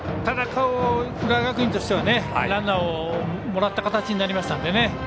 ただ、浦和学院としてはランナーをもらった形になりましたのでね。